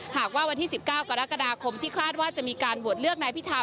หากว่าวันที่๑๙กรกฎาคมที่คาดว่าจะมีการโหวตเลือกนายพิธา